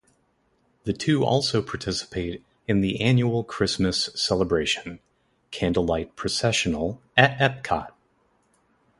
The two also participate in the annual Christmas celebration, Candlelight Processional, at Epcot.